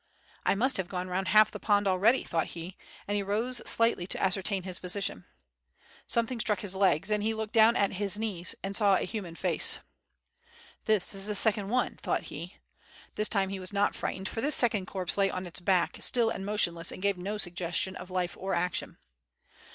"1 must have gone round half the pond already," thought he, and he rose slightly to ascertain his position. Some thing struck his legs, he looked down and at his knees saw a human face. yyg WITH FIRE AND SWORD. "This is the second one," thought he. This time he was not frightened, for this second corpse lay on its back, still and motionless, and gave no suggestion of life or action.